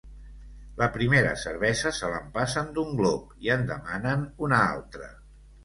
La primera cervesa se l'empassen d'un glop i en demanen una altra.